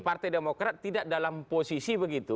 partai demokrat tidak dalam posisi begitu